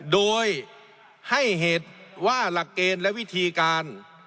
โดยให้เหตุว่าหลักเกณฑ์และวิธีการ